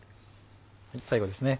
最後ですね